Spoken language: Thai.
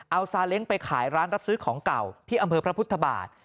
เอาซาเล้งไปขายร้านรับซื้อของเก่าที่อำเภอพระพุทธบาท